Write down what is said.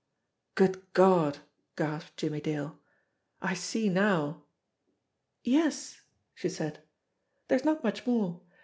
"Good God!" gasped Jimmie Dale. "I see now!" "Yes !" she said. "There is not much more.